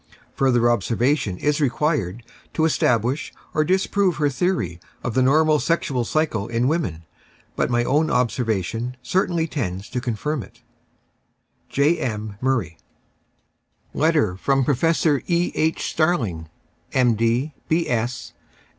Further obser vation is required to establish or disprove her theory of the normal sexual cycle in women, but my own observation certainly tends to confirm it. J. M. MURRAY. Letter' from Professor E. H. Starling, M.